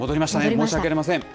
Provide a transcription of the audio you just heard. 申し訳ありません。